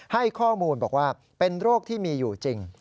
ให้ข้อมูลบอกว่าเป็นโรคที่มีอยู่จริง